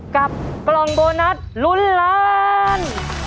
กับกล่องโบนัสลุ้นล้าน